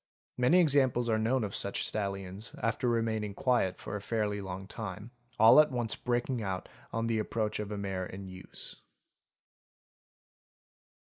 Many examples are known of such stallions, after remaining quiet for a fairly long time, all at once breaking out on the approach of a mare in use.